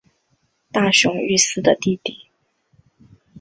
大熊裕司的弟弟。